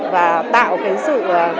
và tạo cái sự